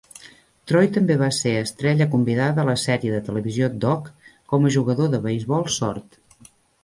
Troy també va ser estrella convidada a la sèrie de televisió "Doc" com a jugador de beisbol sord.